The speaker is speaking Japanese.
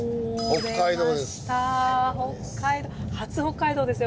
北海道